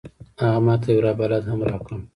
هغه ما ته یو راه بلد هم راکړ.